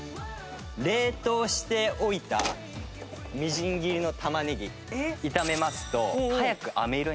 冷凍しておいたみじん切りの玉ねぎ炒めますと早く飴色になるんですね。